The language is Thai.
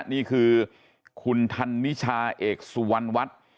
นี่คือคุณธันนิชาเอกสุวรรณวัฒน์